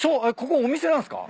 ここお店なんすか？